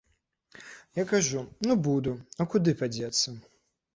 Я кажу, ну буду, а куды падзецца.